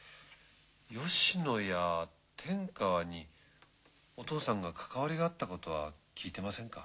吉野や天川にお父さんが関わりがあったことは聞いてませんか？